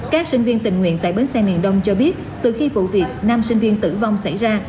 các sinh viên tình nguyện tại bến xe miền đông cho biết từ khi vụ việc năm sinh viên tử vong xảy ra